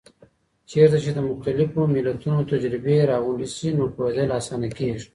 چیرته چي د مختلفو ملتونو تجربې راغونډې سي، نو پوهیدل آسانه کیږي؟